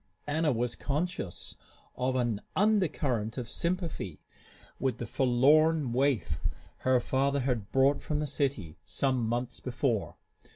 Anna was conscious of an undercurrent of sympathy with the forlorn waif her father had brought from the city some months before.